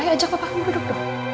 ayo ajak papa duduk